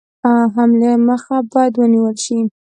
حملې مخه باید ونیوله شي.